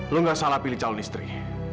lo nggak salah pilih calon istri